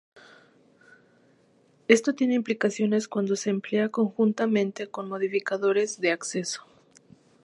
Esto tiene implicaciones cuando se emplea conjuntamente con modificadores de acceso.